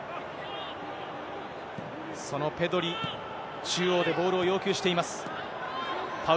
そのペドリ、中央でボールを要求しています。